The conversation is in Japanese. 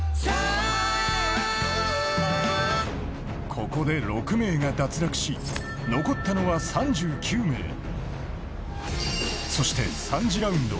ここで６名が脱落し残ったのは３９名そして３次ラウンド